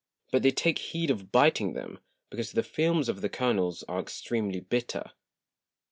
But they take heed of biting them, because the Films of the Kernels are extreamly bitter.